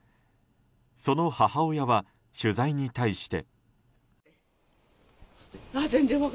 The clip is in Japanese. その母親は取材に対して。